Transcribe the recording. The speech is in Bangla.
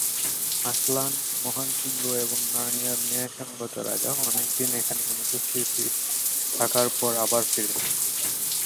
আসলান, মহান সিংহ এবং নার্নিয়ার ন্যায়সঙ্গত রাজা অনেকদিন এখানে অনুপস্থিত থাকার পর আবার ফিরে এসেছে।